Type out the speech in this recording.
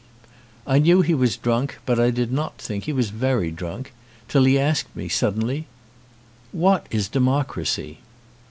I knew he was drunk, but I did not think he was very drunk, till he asked me suddenly: "What is democracy?"